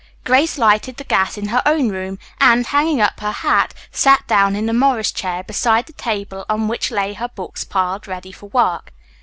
Grace lighted the gas in her own room and, hanging up her hat, sat down in the Morris chair, beside the table on which lay her books piled ready for work.